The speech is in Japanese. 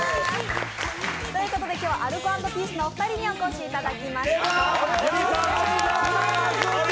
今日はアルコ＆ピースのお二人にお越しいただきました。